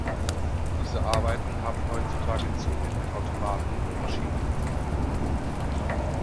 Diese Arbeiten haben heutzutage zunehmend Automaten und Maschinen übernommen.